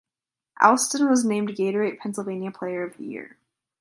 Alston was named Gatorade Pennsylvania Player of the Year.